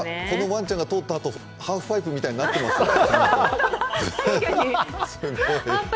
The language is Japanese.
このワンちゃんが通ったあとハーフパイプみたいになってます？